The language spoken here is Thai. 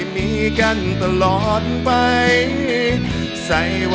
ขอบคุณมาก